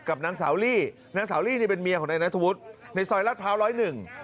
กับนางสาวลี่นางสาวลี่นี่เป็นเมียของนายนัทธวุฒิในซอยรัดพร้าวร้อยหนึ่ง